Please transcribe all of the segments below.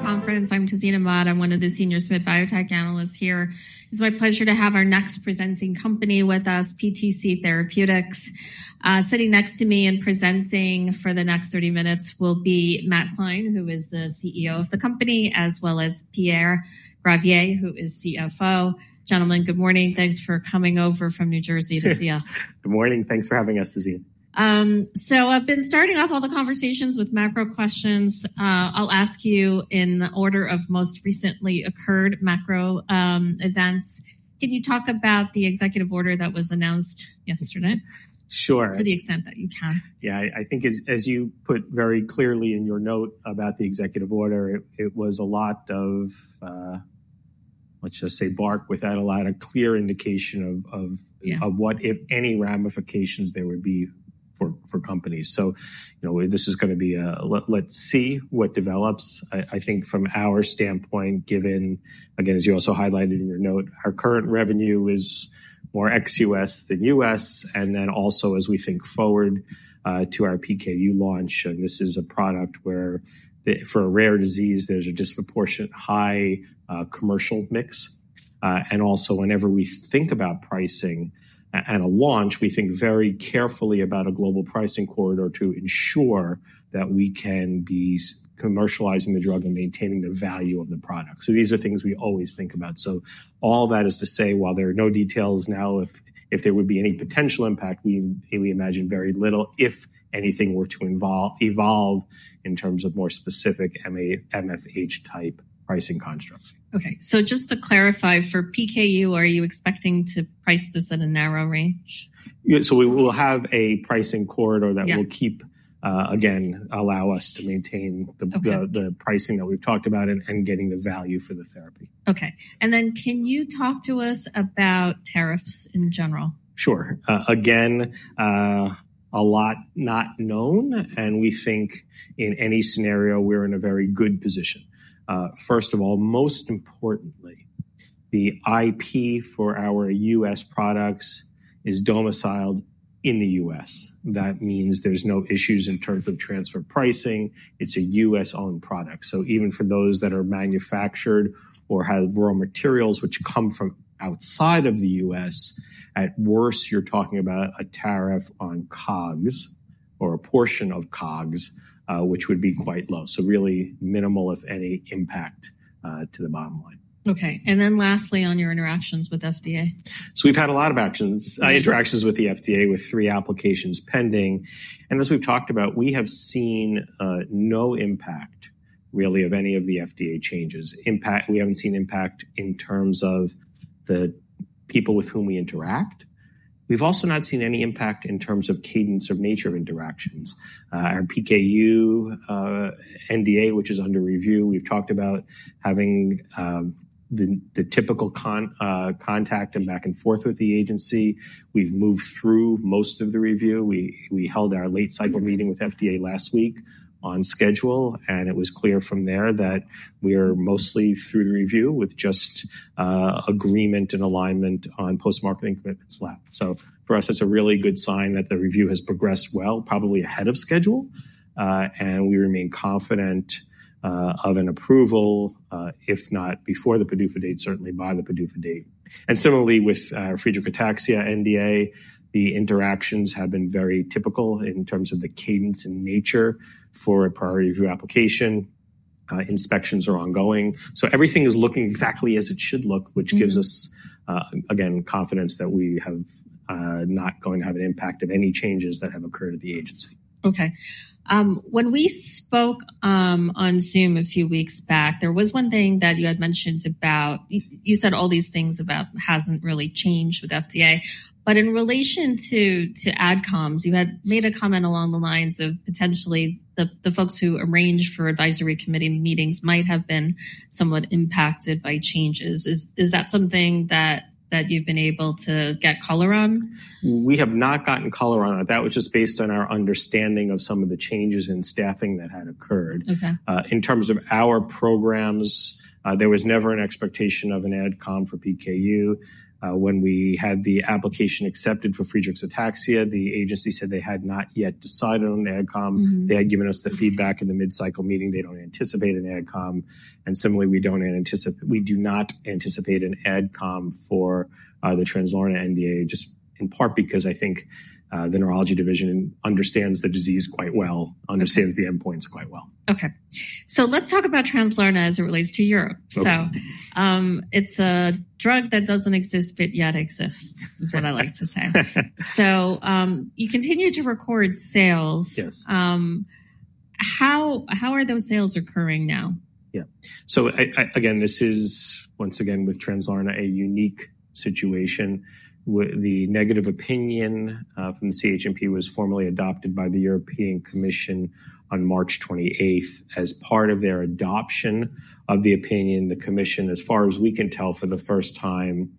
Conference. I'm Tazeen Ahmad. I'm one of the senior SMID Biotech analysts here. It's my pleasure to have our next presenting company with us, PTC Therapeutics. Sitting next to me and presenting for the next 30 minutes will be Matthew Klein, who is the CEO of the company, as well as Pierre Gravier, who is CFO. Gentlemen, good morning. Thanks for coming over from New Jersey to see us. Good morning. Thanks for having us, Tazeen. I've been starting off all the conversations with macro questions. I'll ask you in the order of most recently occurred macro events. Can you talk about the executive order that was announced yesterday? Sure. To the extent that you can. Yeah, I think, as you put very clearly in your note about the executive order, it was a lot of, let's just say, bark, without a lot of clear indication of what, if any, ramifications there would be for companies. This is going to be a, let's see what develops. I think from our standpoint, given, again, as you also highlighted in your note, our current revenue is more ex-U.S. than U.S. Also, as we think forward to our PKU launch, and this is a product where for a rare disease, there's a disproportionate high commercial mix. Whenever we think about pricing at a launch, we think very carefully about a global pricing corridor to ensure that we can be commercializing the drug and maintaining the value of the product. These are things we always think about. All that is to say, while there are no details now, if there would be any potential impact, we imagine very little, if anything were to evolve in terms of more specific MFN-type pricing constructs. Okay. So just to clarify, for PKU, are you expecting to price this at a narrow range? We will have a pricing corridor that will keep, again, allow us to maintain the pricing that we've talked about and getting the value for the therapy. Okay. Can you talk to us about tariffs in general? Sure. Again, a lot not known. We think in any scenario, we're in a very good position. First of all, most importantly, the IP for our U,S. products is domiciled in the U.S.. That means there's no issues in terms of transfer pricing. It's a US-owned product. Even for those that are manufactured or have raw materials which come from outside of the US, at worst, you're talking about a tariff on COGS or a portion of COGS, which would be quite low. Really minimal, if any, impact to the bottom line. Okay. Lastly, on your interactions with FDA? We've had a lot of interactions with the FDA with three applications pending. As we've talked about, we have seen no impact, really, of any of the FDA changes. We haven't seen impact in terms of the people with whom we interact. We've also not seen any impact in terms of cadence or nature of interactions. Our PKU NDA, which is under review, we've talked about having the typical contact and back and forth with the agency. We've moved through most of the review. We held our late-cycle meeting with FDA last week on schedule. It was clear from there that we are mostly through the review with just agreement and alignment on post-marketing commitments left. For us, that's a really good sign that the review has progressed well, probably ahead of schedule. We remain confident of an approval, if not before the PDUFA date, certainly by the PDUFA date. Similarly, with Friedreich's Ataxia NDA, the interactions have been very typical in terms of the cadence and nature for a priority review application. Inspections are ongoing. Everything is looking exactly as it should look, which gives us, again, confidence that we are not going to have an impact of any changes that have occurred at the agency. Okay. When we spoke on Zoom a few weeks back, there was one thing that you had mentioned about you said all these things about hasn't really changed with FDA. In relation to adcoms, you had made a comment along the lines of potentially the folks who arranged for advisory committee meetings might have been somewhat impacted by changes. Is that something that you've been able to get color on? We have not gotten color on that. That was just based on our understanding of some of the changes in staffing that had occurred. In terms of our programs, there was never an expectation of an adcom for PKU. When we had the application accepted for Friedreich's Ataxia, the agency said they had not yet decided on the adcom. They had given us the feedback in the mid-cycle meeting they do not anticipate an adcom. Similarly, we do not anticipate an adcom for the Translarna NDA, just in part because I think the neurology division understands the disease quite well, understands the endpoints quite well. Okay. Let's talk about Translarna as it relates to Europe. It's a drug that doesn't exist, but yet exists, is what I like to say. You continue to record sales. How are those sales occurring now? Yeah. So again, this is, once again, with Translarna, a unique situation. The negative opinion from the CHMP was formally adopted by the European Commission on March 28. As part of their adoption of the opinion, the Commission, as far as we can tell, for the first time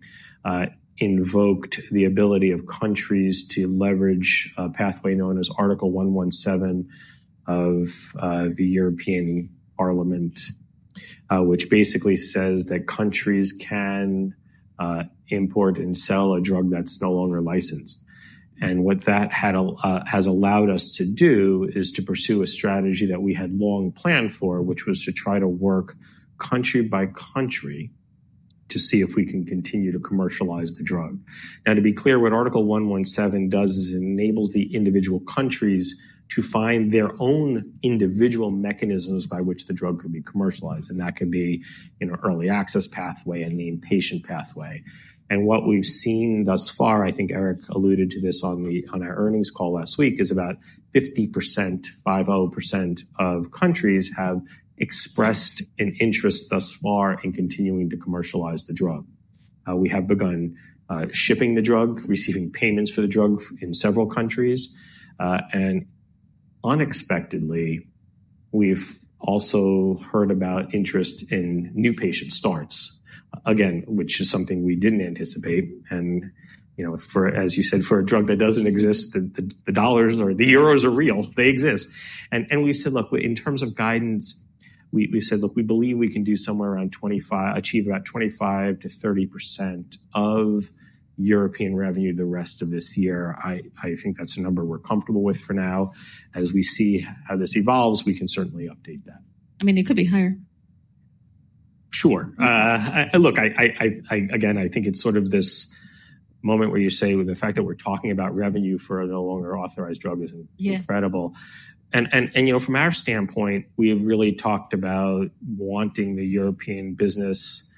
invoked the ability of countries to leverage a pathway known as Article 117 of the European Parliament, which basically says that countries can import and sell a drug that's no longer licensed. What that has allowed us to do is to pursue a strategy that we had long planned for, which was to try to work country by country to see if we can continue to commercialize the drug. Now, to be clear, what Article 117 does is it enables the individual countries to find their own individual mechanisms by which the drug can be commercialized. That can be an early access pathway and the inpatient pathway. What we've seen thus far, I think Eric alluded to this on our earnings call last week, is about 50%, 50% of countries have expressed an interest thus far in continuing to commercialize the drug. We have begun shipping the drug, receiving payments for the drug in several countries. Unexpectedly, we've also heard about interest in new patient starts, again, which is something we didn't anticipate. As you said, for a drug that doesn't exist, the dollars or the euros are real. They exist. We said, look, in terms of guidance, we said, look, we believe we can do somewhere around achieve about 25%-30% of European revenue the rest of this year. I think that's a number we're comfortable with for now. As we see how this evolves, we can certainly update that. I mean, it could be higher. Sure. Look, again, I think it's sort of this moment where you say, with the fact that we're talking about revenue for a no longer authorized drug, is incredible. From our standpoint, we have really talked about wanting the European business,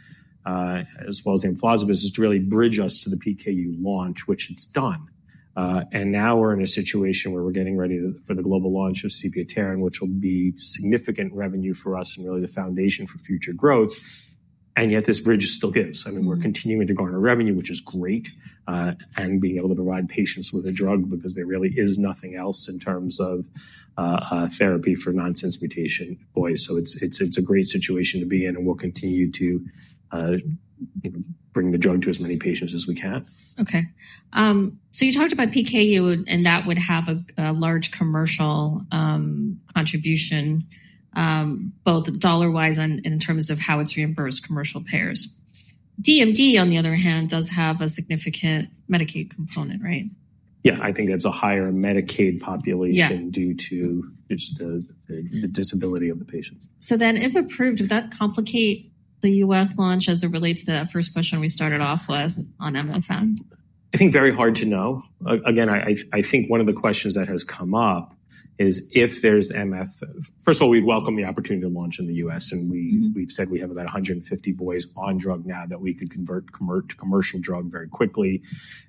as well as the Emflaza business, to really bridge us to the PKU launch, which it's done. Now we're in a situation where we're getting ready for the global launch of Sepiapterin, which will be significant revenue for us and really the foundation for future growth. Yet this bridge still gives. I mean, we're continuing to garner revenue, which is great, and being able to provide patients with a drug because there really is nothing else in terms of therapy for nonsense mutation boys. It's a great situation to be in, and we'll continue to bring the drug to as many patients as we can. Okay. You talked about PKU, and that would have a large commercial contribution, both dollar-wise and in terms of how it's reimbursed commercial payers. DMD, on the other hand, does have a significant Medicaid component, right? Yeah, I think that's a higher Medicaid population due to just the disability of the patients. If approved, would that complicate the U.S. launch as it relates to that first question we started off with on MFN? I think very hard to know. Again, I think one of the questions that has come up is if there's MFN. First of all, we welcome the opportunity to launch in the U.S. We have said we have about 150 boys on drug now that we could convert to commercial drug very quickly.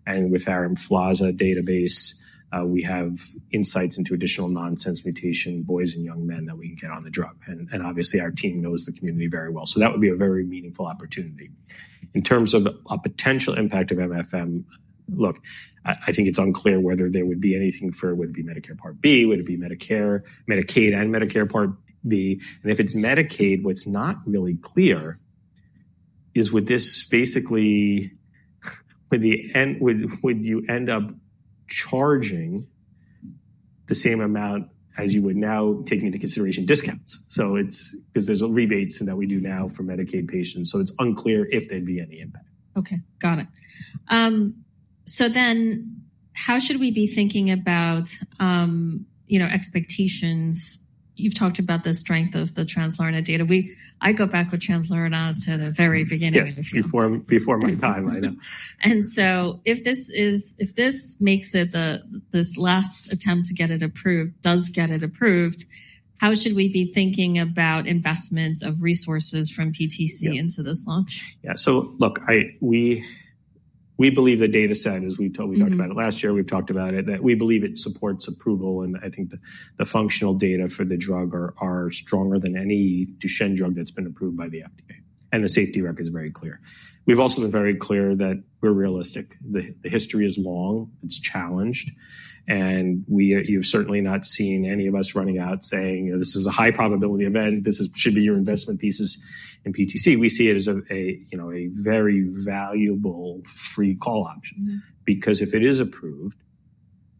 With our implausibility database, we have insights into additional nonsense mutation boys and young men that we can get on the drug. Obviously, our team knows the community very well. That would be a very meaningful opportunity. In terms of a potential impact of MFN, look, I think it's unclear whether there would be anything for, would it be Medicare Part B, would it be Medicare, Medicaid, and Medicare Part B. If it's Medicaid, what's not really clear is with this basically, would you end up charging the same amount as you would now taking into consideration discounts? It's because there's rebates that we do now for Medicaid patients. It's unclear if there'd be any impact. Okay. Got it. So then how should we be thinking about expectations? You've talked about the strength of the Translarna data. I go back with Translarna to the very beginning of the field. Yes, before my time, I know. If this makes it, this last attempt to get it approved, does get it approved, how should we be thinking about investments of resources from PTC into this launch? Yeah. Look, we believe the data set, as we talked about it last year, we've talked about it, that we believe it supports approval. I think the functional data for the drug are stronger than any Duchenne drug that's been approved by the FDA. The safety record is very clear. We've also been very clear that we're realistic. The history is long. It's challenged. You've certainly not seen any of us running out saying, "This is a high-probability event. This should be your investment thesis in PTC." We see it as a very valuable free call option. Because if it is approved,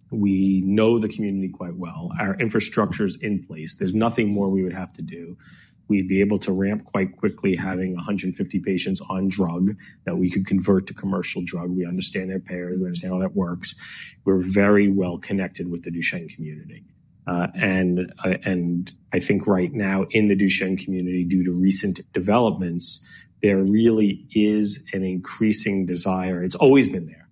we know the community quite well. Our infrastructure is in place. There's nothing more we would have to do. We'd be able to ramp quite quickly having 150 patients on drug that we could convert to commercial drug. We understand their payers. We understand how that works. We're very well connected with the Duchenne community. I think right now, in the Duchenne community, due to recent developments, there really is an increasing desire. It's always been there.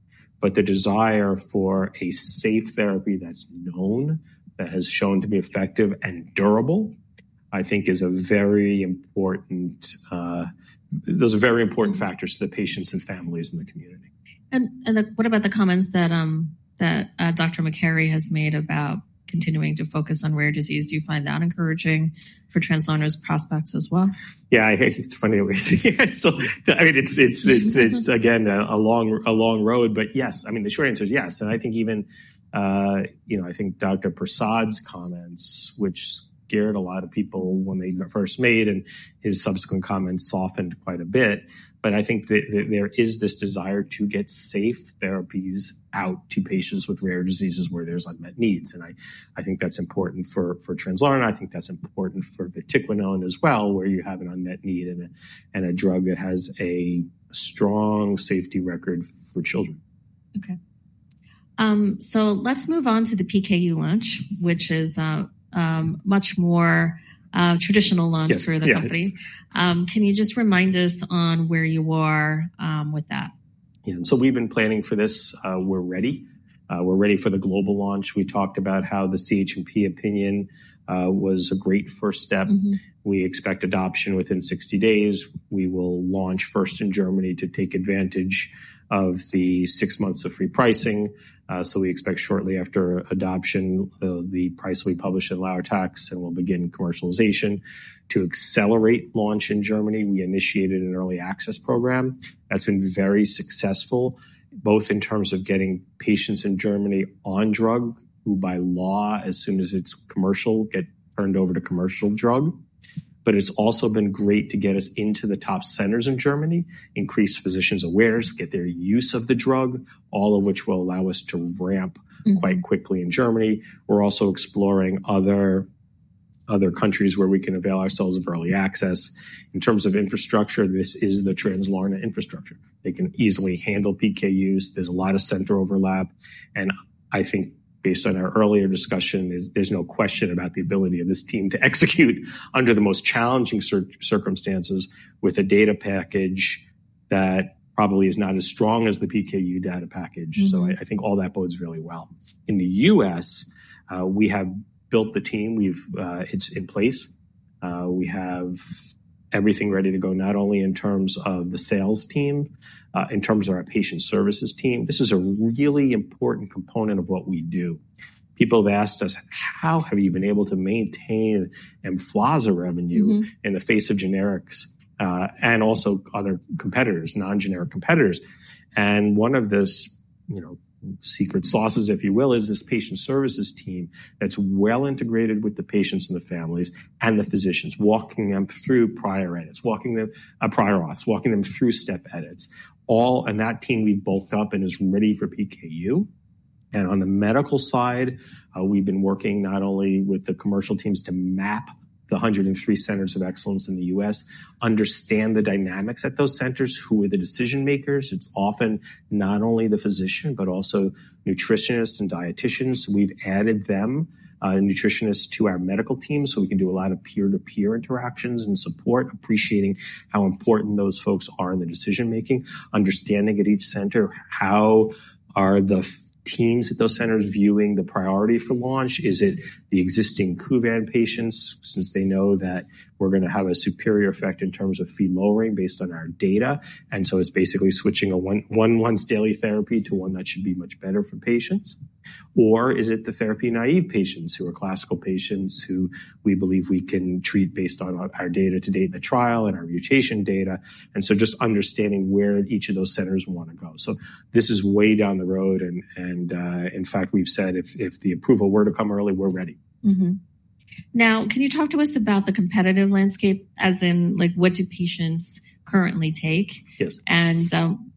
The desire for a safe therapy that's known, that has shown to be effective and durable, I think is a very important, those are very important factors to the patients and families in the community. What about the comments that Dr. McCarry has made about continuing to focus on rare disease? Do you find that encouraging for Translarna's prospects as well? Yeah, it's funny the way I see it. I mean, it's, again, a long road. Yes, I mean, the short answer is yes. I think even, I think Dr. Persad's comments, which scared a lot of people when they were first made, and his subsequent comments softened quite a bit. I think that there is this desire to get safe therapies out to patients with rare diseases where there's unmet needs. I think that's important for Translarna. I think that's important for vatiquinone as well, where you have an unmet need and a drug that has a strong safety record for children. Okay. So let's move on to the PKU launch, which is a much more traditional launch for the company. Can you just remind us on where you are with that? Yeah. We've been planning for this. We're ready. We're ready for the global launch. We talked about how the CHMP opinion was a great first step. We expect adoption within 60 days. We will launch first in Germany to take advantage of the six months of free pricing. We expect shortly after adoption, the price will be published in Lauer Tax, and we'll begin commercialization to accelerate launch in Germany. We initiated an early access program. That's been very successful, both in terms of getting patients in Germany on drug who, by law, as soon as it's commercial, get turned over to commercial drug. It's also been great to get us into the top centers in Germany, increase physicians' awareness, get their use of the drug, all of which will allow us to ramp quite quickly in Germany. We're also exploring other countries where we can avail ourselves of early access. In terms of infrastructure, this is the Translarna infrastructure. They can easily handle PKUs. There's a lot of center overlap. I think, based on our earlier discussion, there's no question about the ability of this team to execute under the most challenging circumstances with a data package that probably is not as strong as the PKU data package. I think all that bodes really well. In the U.S., we have built the team. It's in place. We have everything ready to go, not only in terms of the sales team, in terms of our patient services team. This is a really important component of what we do. People have asked us, "How have you been able to maintain implausible revenue in the face of generics and also other competitors, non-generic competitors?" One of the secret sauces, if you will, is this patient services team that's well integrated with the patients and the families and the physicians, walking them through prior edits, walking them through step edits. That team we've bulked up and is ready for PKU. On the medical side, we've been working not only with the commercial teams to map the 103 centers of excellence in the U.S., understand the dynamics at those centers, who are the decision makers. It's often not only the physician, but also nutritionists and dieticians. We've added the nutritionists to our medical team so we can do a lot of peer-to-peer interactions and support, appreciating how important those folks are in the decision-making, understanding at each center how are the teams at those centers viewing the priority for launch. Is it the existing Kuvan patients, since they know that we're going to have a superior effect in terms of Phe lowering based on our data? It's basically switching a one-month daily therapy to one that should be much better for patients. Or is it the therapy-naive patients who are classical patients who we believe we can treat based on our data to date in the trial and our mutation data? Just understanding where each of those centers want to go. This is way down the road. In fact, we've said, if the approval were to come early, we're ready. Now, can you talk to us about the competitive landscape, as in what do patients currently take?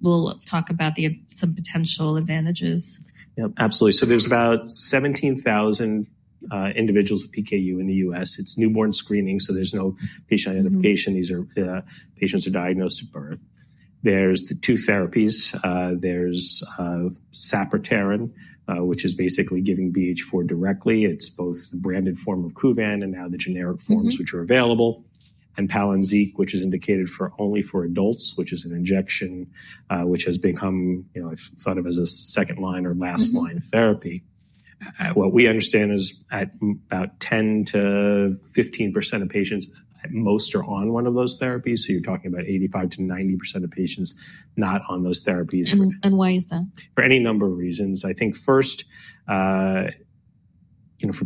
We'll talk about some potential advantages. Yep, absolutely. There are about 17,000 individuals with PKU in the U.S. It's newborn screening, so there's no patient identification. These are patients who are diagnosed at birth. There are the two therapies. There's sapropterin, which is basically giving BH4 directly. It's both the branded form of Kuvan and now the generic forms which are available. And Palynziq, which is indicated only for adults, which is an injection which has become, I've thought of as a second line or last line therapy. What we understand is about 10-15% of patients, most are on one of those therapies. You're talking about 85-90% of patients not on those therapies. Why is that? For any number of reasons. I think first, for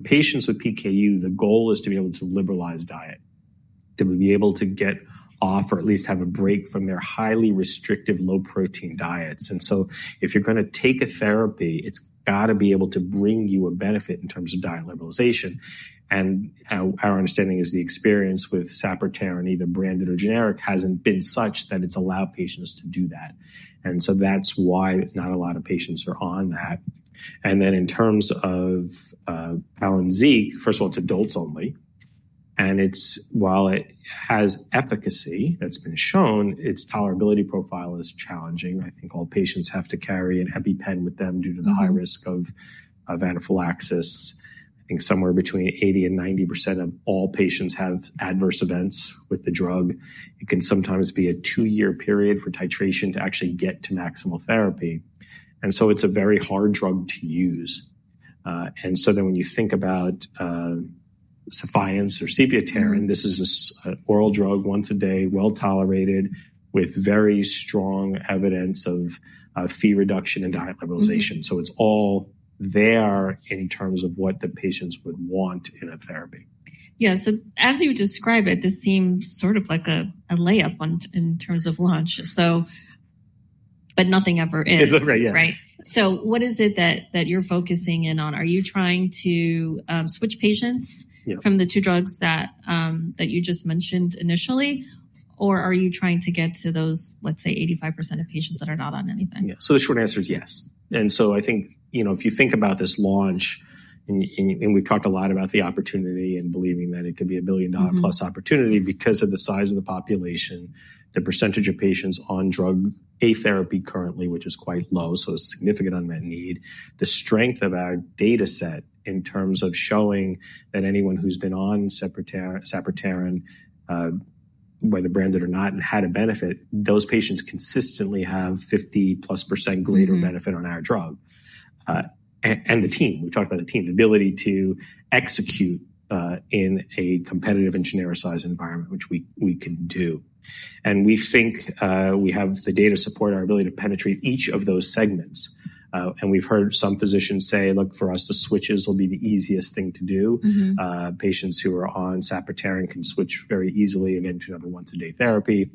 patients with PKU, the goal is to be able to liberalize diet, to be able to get off or at least have a break from their highly restrictive low-protein diets. If you're going to take a therapy, it's got to be able to bring you a benefit in terms of diet liberalization. Our understanding is the experience with sapropterin, either branded or generic, hasn't been such that it's allowed patients to do that. That's why not a lot of patients are on that. In terms of Palynziq, first of all, it's adults only. While it has efficacy that's been shown, its tolerability profile is challenging. I think all patients have to carry an EpiPen with them due to the high risk of anaphylaxis. I think somewhere between 80-90% of all patients have adverse events with the drug. It can sometimes be a two-year period for titration to actually get to maximal therapy. It is a very hard drug to use. When you think about Sephience or sepiapterin, this is an oral drug once a day, well tolerated, with very strong evidence of Phe reduction and diet liberalization. It is all there in terms of what the patients would want in a therapy. Yeah. As you describe it, this seems sort of like a layup in terms of launch, but nothing ever is. It's ever, yeah. Right? So what is it that you're focusing in on? Are you trying to switch patients from the two drugs that you just mentioned initially? Or are you trying to get to those, let's say, 85% of patients that are not on anything? Yeah. The short answer is yes. I think if you think about this launch, and we've talked a lot about the opportunity and believing that it could be a billion-dollar-plus opportunity because of the size of the population, the percentage of patients on drug A therapy currently, which is quite low, so a significant unmet need, the strength of our data set in terms of showing that anyone who's been on sapropterin, whether branded or not, and had a benefit, those patients consistently have 50+% greater benefit on our drug. The team, we talked about the team, the ability to execute in a competitive and generic size environment, which we can do. We think we have the data to support our ability to penetrate each of those segments. We've heard some physicians say, "Look, for us, the switches will be the easiest thing to do." Patients who are on sapropterin can switch very easily and get into another once-a-day therapy.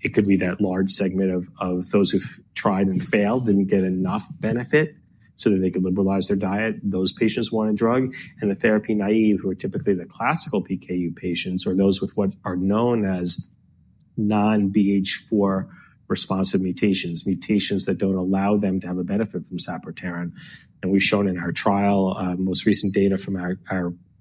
It could be that large segment of those who've tried and failed, didn't get enough benefit so that they could liberalize their diet. Those patients want a drug. The therapy naive, who are typically the classical PKU patients, are those with what are known as non-VH4 responsive mutations, mutations that don't allow them to have a benefit from sapropterin. We've shown in our trial, most recent data from our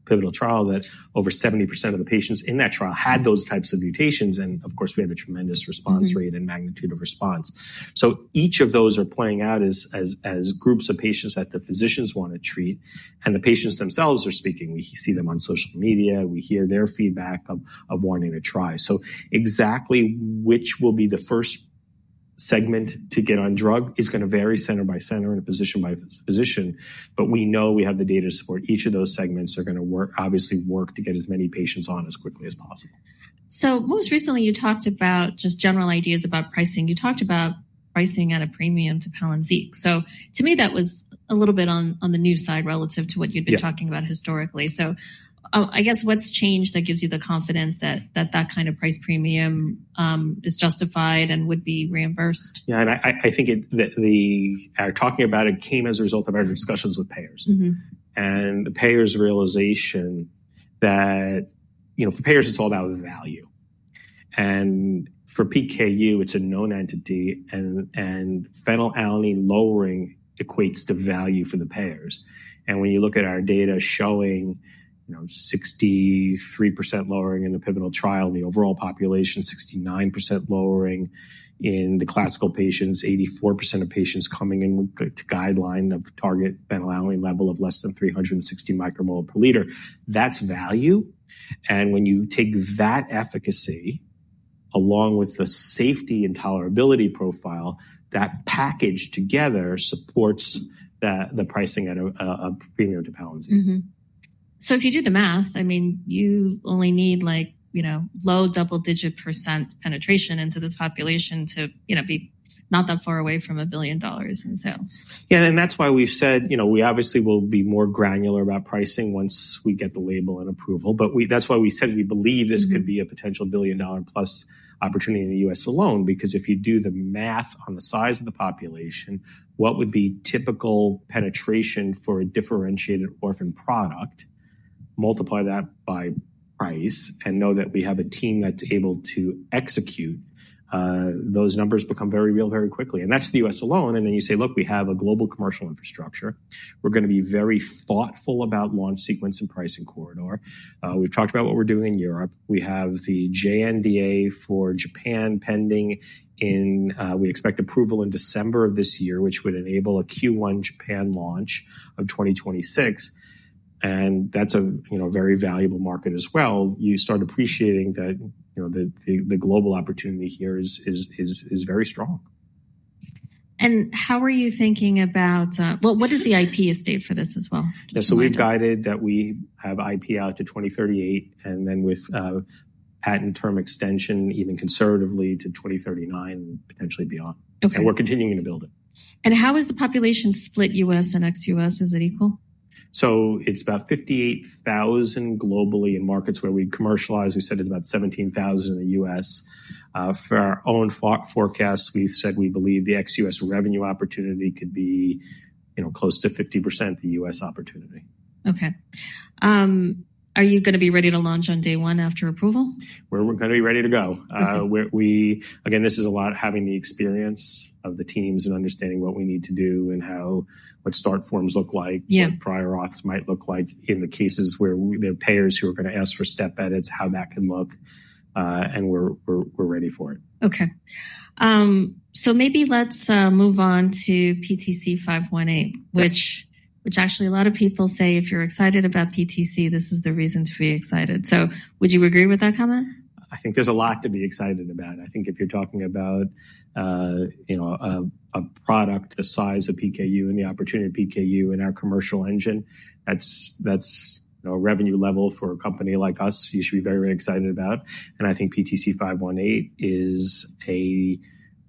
pivotal trial, that over 70% of the patients in that trial had those types of mutations. Of course, we had a tremendous response rate and magnitude of response. Each of those are playing out as groups of patients that the physicians want to treat. The patients themselves are speaking. We see them on social media. We hear their feedback of wanting to try. Exactly which will be the first segment to get on drug is going to vary center by center and physician by physician. We know we have the data to support each of those segments and are going to obviously work to get as many patients on as quickly as possible. Most recently, you talked about just general ideas about pricing. You talked about pricing at a premium to Palynziq. To me, that was a little bit on the new side relative to what you'd been talking about historically. I guess what's changed that gives you the confidence that that kind of price premium is justified and would be reimbursed? Yeah. I think that our talking about it came as a result of our discussions with payers. The payers' realization is that for payers, it's all about value. For PKU, it's a known entity. Phe lowering equates to value for the payers. When you look at our data showing 63% lowering in the pivotal trial in the overall population, 69% lowering in the classical patients, 84% of patients coming in with the guideline of target Phe level of less than 360 micromole per liter, that's value. When you take that efficacy along with the safety and tolerability profile, that package together supports the pricing at a premium to Palynziq. If you do the math, I mean, you only need low double-digit % penetration into this population to be not that far away from $1 billion in sales. Yeah. That is why we have said we obviously will be more granular about pricing once we get the label and approval. That is why we said we believe this could be a potential billion-dollar-plus opportunity in the U.S. alone. If you do the math on the size of the population, what would be typical penetration for a differentiated orphan product, multiply that by price, and know that we have a team that is able to execute, those numbers become very real very quickly. That is the U.S. alone. Then you say, "Look, we have a global commercial infrastructure. We are going to be very thoughtful about launch sequence and pricing corridor." We have talked about what we are doing in Europe. We have the JNDA for Japan pending and we expect approval in December of this year, which would enable a Q1 Japan launch of 2026. That's a very valuable market as well. You start appreciating that the global opportunity here is very strong. How are you thinking about, well, what is the IP estate for this as well? Yeah. We've guided that we have IP out to 2038, and then with patent term extension even conservatively to 2039 and potentially beyond. We're continuing to build it. How is the population split US and ex-US? Is it equal? It's about 58,000 globally in markets where we commercialize. We said it's about 17,000 in the U.S. For our own forecasts, we've said we believe the ex-U.S. revenue opportunity could be close to 50% the U.S. opportunity. Okay. Are you going to be ready to launch on day one after approval? We're going to be ready to go. Again, this is a lot having the experience of the teams and understanding what we need to do and what start forms look like, what prior auths might look like in the cases where there are payers who are going to ask for step edits, how that can look. We're ready for it. Okay. Maybe let's move on to PTC 518, which actually a lot of people say if you're excited about PTC, this is the reason to be excited. Would you agree with that comment? I think there's a lot to be excited about. I think if you're talking about a product the size of PKU and the opportunity of PKU and our commercial engine, that's a revenue level for a company like us you should be very, very excited about. I think PTC 518 is a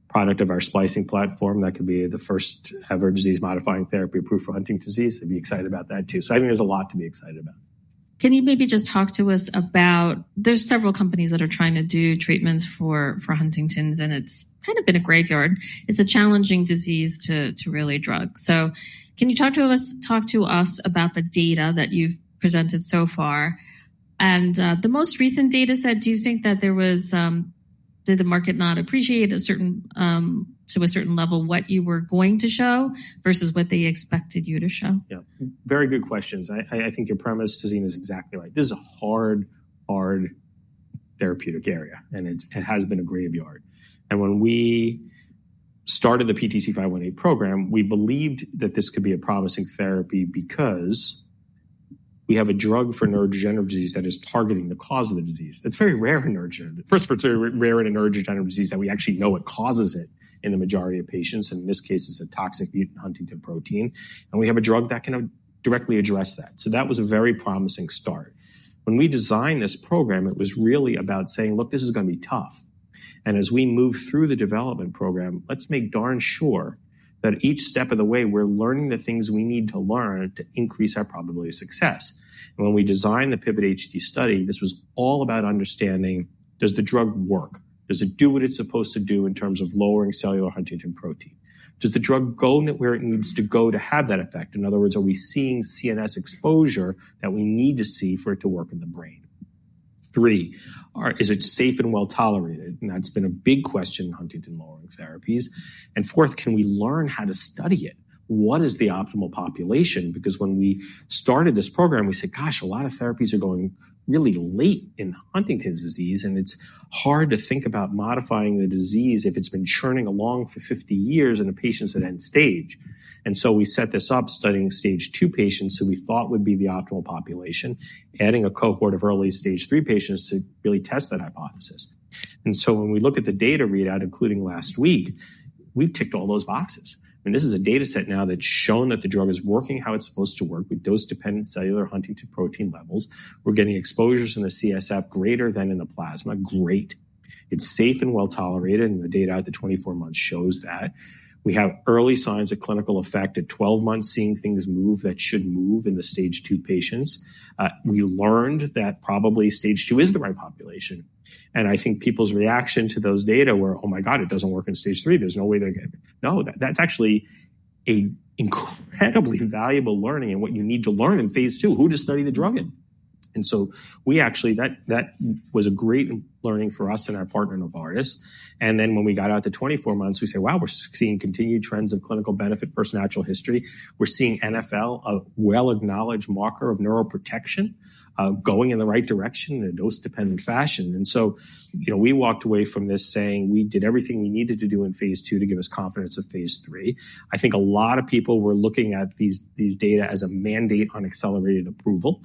product of our splicing platform that could be the first-ever disease-modifying therapy approved for Huntington's disease. I'd be excited about that too. I think there's a lot to be excited about. Can you maybe just talk to us about there's several companies that are trying to do treatments for Huntington's, and it's kind of been a graveyard. It's a challenging disease to really drug. Can you talk to us about the data that you've presented so far? The most recent data set, do you think that there was did the market not appreciate to a certain level what you were going to show versus what they expected you to show? Yeah. Very good questions. I think your premise, Tazeen, is exactly right. This is a hard, hard therapeutic area, and it has been a graveyard. When we started the PTC 518 program, we believed that this could be a promising therapy because we have a drug for neurodegenerative disease that is targeting the cause of the disease. It's very rare in neurodegenerative, first, it's very rare in a neurodegenerative disease that we actually know what causes it in the majority of patients. In this case, it's a toxic mutant Huntington protein. We have a drug that can directly address that. That was a very promising start. When we designed this program, it was really about saying, "Look, this is going to be tough." As we move through the development program, let's make darn sure that each step of the way, we're learning the things we need to learn to increase our probability of success. When we designed the PIVOT HD study, this was all about understanding, does the drug work? Does it do what it's supposed to do in terms of lowering cellular Huntington protein? Does the drug go where it needs to go to have that effect? In other words, are we seeing CNS exposure that we need to see for it to work in the brain? Three, is it safe and well tolerated? That's been a big question in Huntington lowering therapies. Fourth, can we learn how to study it? What is the optimal population? Because when we started this program, we said, "Gosh, a lot of therapies are going really late in Huntington's disease, and it's hard to think about modifying the disease if it's been churning along for 50 years in a patient's at end stage." We set this up studying stage two patients who we thought would be the optimal population, adding a cohort of early stage three patients to really test that hypothesis. When we look at the data readout, including last week, we've ticked all those boxes. I mean, this is a data set now that's shown that the drug is working how it's supposed to work with those dependent cellular Huntington protein levels. We're getting exposures in the CSF greater than in the plasma. Great. It's safe and well tolerated, and the data out the 24 months shows that. We have early signs of clinical effect at 12 months, seeing things move that should move in the stage two patients. We learned that probably stage two is the right population. I think people's reaction to those data were, "Oh my God, it doesn't work in stage three. There's no way they're going to get it." No, that's actually an incredibly valuable learning in what you need to learn in phase two, who to study the drug in. That was a great learning for us and our partner, Novartis. When we got out to 24 months, we say, "Wow, we're seeing continued trends of clinical benefit versus natural history. We're seeing NFL, a well-acknowledged marker of neuroprotection, going in the right direction in a dose-dependent fashion. We walked away from this saying we did everything we needed to do in phase two to give us confidence of phase three. I think a lot of people were looking at these data as a mandate on accelerated approval.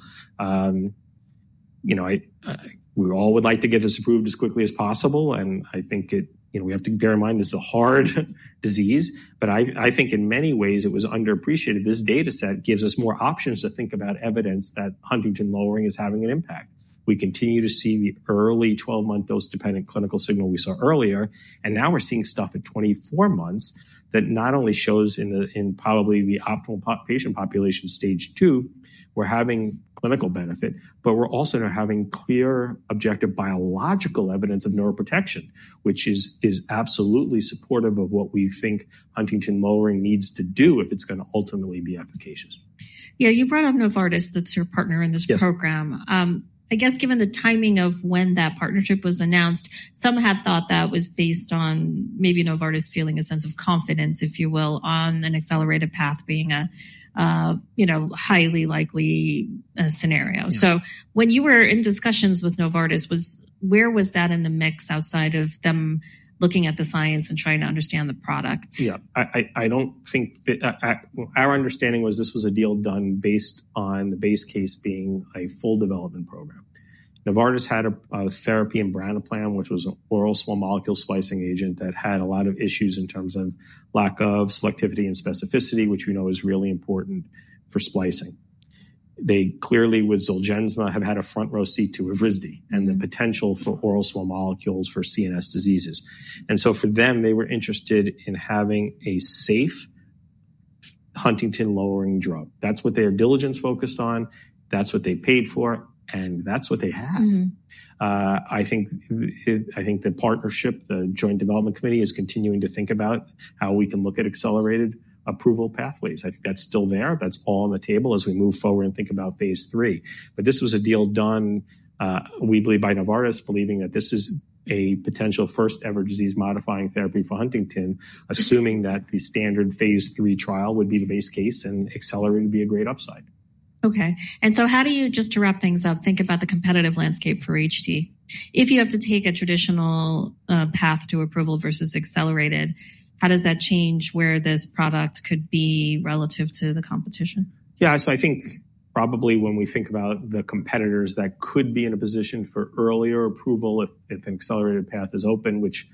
We all would like to get this approved as quickly as possible. I think we have to bear in mind this is a hard disease, but I think in many ways, it was underappreciated. This data set gives us more options to think about evidence that Huntington lowering is having an impact. We continue to see the early 12-month dose-dependent clinical signal we saw earlier. We are seeing stuff at 24 months that not only shows in probably the optimal patient population, stage two, we are having clinical benefit, but we are also having clear objective biological evidence of neuroprotection, which is absolutely supportive of what we think Huntington lowering needs to do if it is going to ultimately be efficacious. Yeah. You brought up Novartis. That's your partner in this program. I guess given the timing of when that partnership was announced, some had thought that was based on maybe Novartis feeling a sense of confidence, if you will, on an accelerated path being a highly likely scenario. When you were in discussions with Novartis, where was that in the mix outside of them looking at the science and trying to understand the product? Yeah. I don't think our understanding was this was a deal done based on the base case being a full development program. Novartis had a therapy in branaplam, which was an oral small molecule splicing agent that had a lot of issues in terms of lack of selectivity and specificity, which we know is really important for splicing. They clearly, with Zolgensma, have had a front row seat to Evrysdi and the potential for oral small molecules for CNS diseases. For them, they were interested in having a safe Huntington lowering drug. That's what their diligence focused on. That's what they paid for, and that's what they had. I think the partnership, the joint development committee, is continuing to think about how we can look at accelerated approval pathways. I think that's still there. That's all on the table as we move forward and think about phase three. This was a deal done, we believe, by Novartis, believing that this is a potential first-ever disease-modifying therapy for Huntington, assuming that the standard phase three trial would be the base case and accelerated would be a great upside. Okay. How do you, just to wrap things up, think about the competitive landscape for HD? If you have to take a traditional path to approval versus accelerated, how does that change where this product could be relative to the competition? Yeah. I think probably when we think about the competitors that could be in a position for earlier approval if an accelerated path is open, which,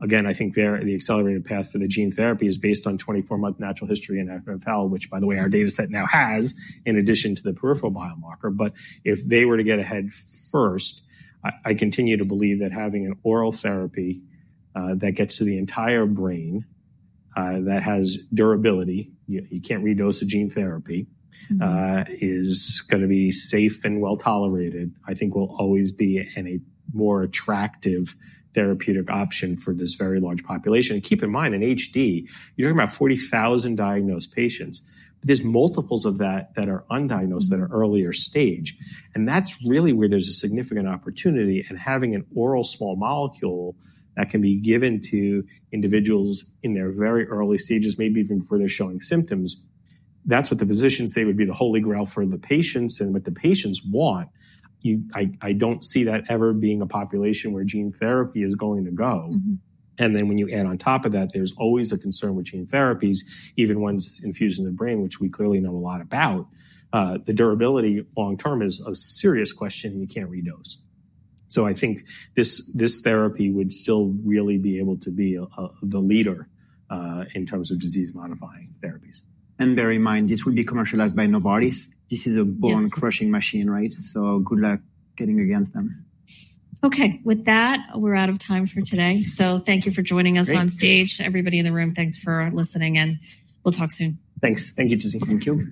again, I think the accelerated path for the gene therapy is based on 24-month natural history in adrenal valve, which, by the way, our data set now has in addition to the peripheral biomarker. If they were to get ahead first, I continue to believe that having an oral therapy that gets to the entire brain that has durability—you can't redose a gene therapy—is going to be safe and well tolerated. I think will always be a more attractive therapeutic option for this very large population. Keep in mind, in HD, you're talking about 40,000 diagnosed patients. There's multiples of that that are undiagnosed that are earlier stage. That's really where there's a significant opportunity. Having an oral small molecule that can be given to individuals in their very early stages, maybe even before they are showing symptoms, that is what the physicians say would be the holy grail for the patients and what the patients want. I do not see that ever being a population where gene therapy is going to go. When you add on top of that, there is always a concern with gene therapies, even ones infused in the brain, which we clearly know a lot about. The durability long term is a serious question. You cannot redose. I think this therapy would still really be able to be the leader in terms of disease-modifying therapies. Bear in mind, this will be commercialized by Novartis. This is a bone-crushing machine, right? Good luck getting against them. Okay. With that, we're out of time for today. Thank you for joining us on stage. Everybody in the room, thanks for listening, and we'll talk soon. Thanks. Thank you, Tazeen. Thank you.